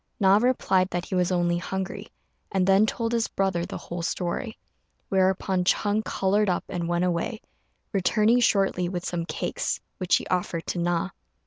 Na replied that he was only hungry, and then told his brother the whole story; whereupon Ch'êng coloured up and went away, returning shortly with some cakes, which he offered to Na.